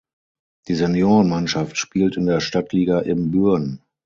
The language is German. Die Seniorenmannschaft spielt in der Stadtliga Ibbenbüren.